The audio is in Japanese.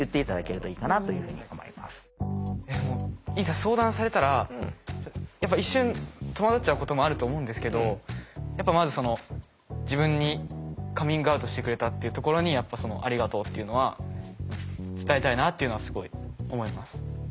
相談されたら一瞬戸惑っちゃうこともあると思うんですけどやっぱまず自分にカミングアウトしてくれたっていうところにありがとうっていうのは伝えたいなっていうのはすごい思います。